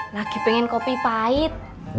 lagi pengen kopi pahit